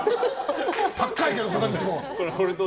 高いけど、片道も。